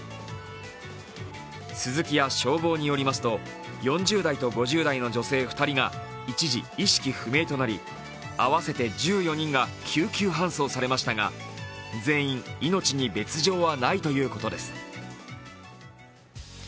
スズキや消防によりますと４０代と５０代の女性２人が意識不明となり、合わせて１４人が救急搬送されましたが、全員、命に別状はないということです。